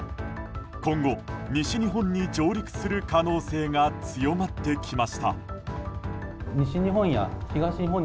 今後、西日本に上陸する可能性が強まってきました。